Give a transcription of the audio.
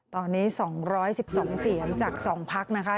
ตอนนี้๒๑๒เสียงจาก๒พักนะคะ